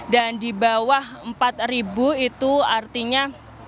dan dibawah empat itu artinya